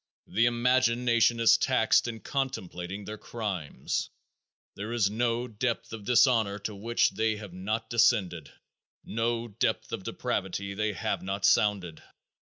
The imagination is taxed in contemplating their crimes. There is no depth of dishonor to which they have not descended no depth of depravity they have not sounded.